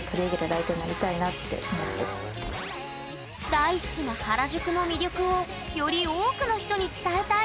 大好きな原宿の魅力をより多くの人に伝えたい。